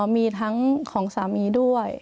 มีทั้งของสามีด้วย